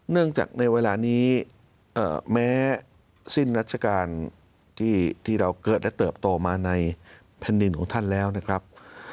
เนื่องจากในเวลานี้แม้สิ้นรัชกาลที่เราเกิดและเติบโตมาในแผ่นดินของท่านแล้วนะครับ